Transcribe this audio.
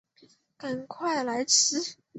赶快来吃